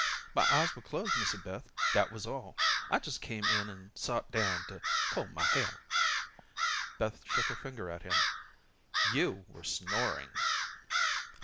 "My eyes were closed, Missy Beth; dat wuz all. I jes' came in and sot down to comb my hair." Beth shook her finger at him. "You were snoring."